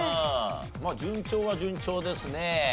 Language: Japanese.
まあ順調は順調ですね。